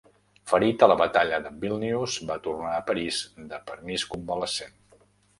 Ferit a la batalla de Vílnius, va tornar a París de permís convalescent.